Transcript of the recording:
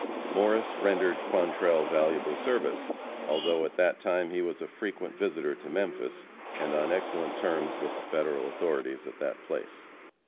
Morris rendered Quantrell valuable service, although at that time he was a frequent visitor to Memphis, and on excellent terms with the Federal authorities at that place.